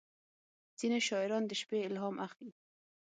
• ځینې شاعران د شپې الهام اخلي.